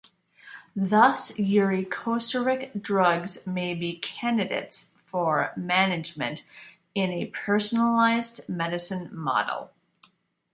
Thus, uricosuric drugs may be candidates for management in a personalized medicine model.